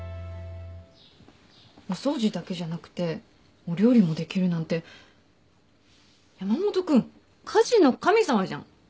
お掃除だけじゃなくてお料理もできるなんて山本君家事の神様じゃん。